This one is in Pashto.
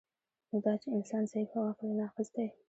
نو دا چی انسان ضعیف او عقل یی ناقص دی